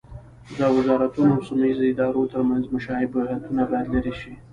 د وزارتونو او سیمه ییزو ادارو ترمنځ مشابهتونه باید لرې شي.